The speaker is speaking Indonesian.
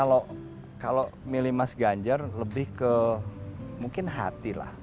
kalau milih mas ganjar lebih ke mungkin hati lah